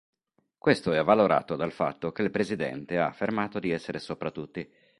Questo è avvalorato dal fatto che il presidente ha affermato di essere sopra tutti.